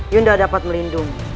yunda dapat melindungi